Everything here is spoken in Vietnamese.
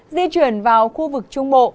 di chuyển vào khu vực trung bộ